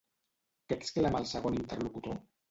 Què exclama el segon interlocutor?